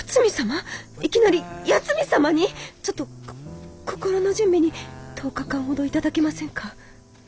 ちょっとこ心の準備に１０日間ほど頂けませんか？